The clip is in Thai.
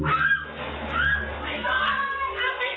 ให้ก่อหุล่ะ